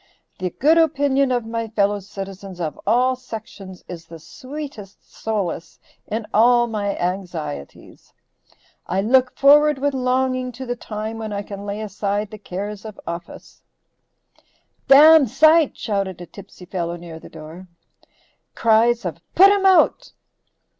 The good opinion of my fellow citizens of all sections is the sweetest solace in all my anxieties. I look forward with longing to the time when I can lay aside the cares of office " ["dam sight," shouted a tipsy fellow near the door. Cries of "put him out."